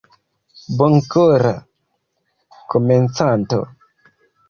Bonkora Komencanto.